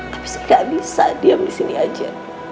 tapi saya nggak bisa diam di sini aja